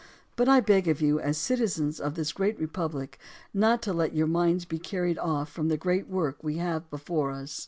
But I beg of you, as citizens of this great republic, not to let your minds be carried off from the great work we have before us.